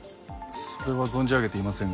それは存じ上げていませんが。